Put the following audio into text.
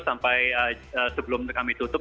sampai sebelum kami tutup